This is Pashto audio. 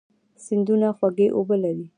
سیندونه خوږې اوبه لري.